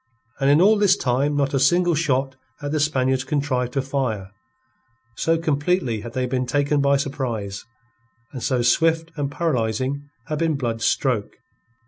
And in all this time not a single shot had the Spaniards contrived to fire, so completely had they been taken by surprise, and so swift and paralyzing had been Blood's stroke.